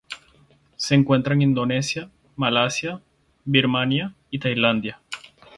Se encuentran en Indonesia, Malasia, Birmania y Tailandia.